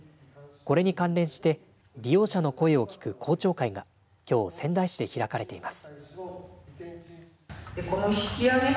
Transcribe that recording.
これに関連して利用者の声を聞く公聴会がきょう仙台市で開かれています。